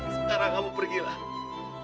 sekarang kamu pergilah